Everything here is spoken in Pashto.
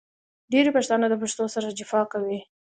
ډېری پښتانه د پښتو سره جفا کوي .